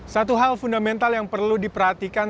satu hal fundamental yang perlu diperhatikan